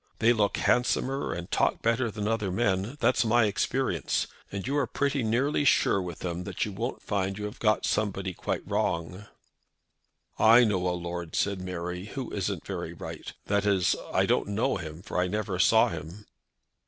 They look handsomer and talk better than other men. That's my experience. And you are pretty nearly sure with them that you won't find you have got somebody quite wrong." "I know a lord," said Mary, "who isn't very right. That is, I don't know him, for I never saw him."